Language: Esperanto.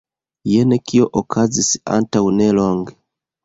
Jen kio okazis antaŭnelonge.